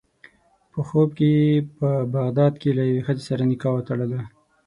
په خوب کې یې په بغداد کې له یوې ښځې سره نکاح وتړله.